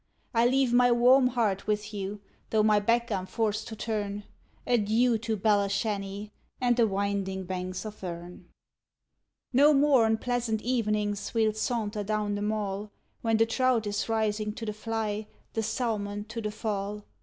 I leave my warm heart with you, tho' my back I'm forced to turn Adieu to Belashanny, and the winding banks of Erne! No more on pleasant evenings we'll saunter down the Mall, When the trout is rising to the fly, the salmon to the fall.